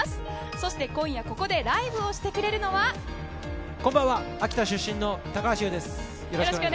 そして今夜ここでライブをしてくれるのはこんばんは秋田出身の高橋優です。